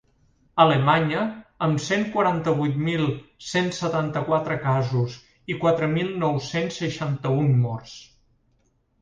Alemanya, amb cent quaranta-vuit mil cent setanta-quatre casos i quatre mil nou-cents seixanta-un morts.